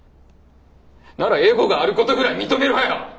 ならエゴがあることぐらい認めろよ！